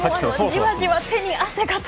じわじわ手に汗が。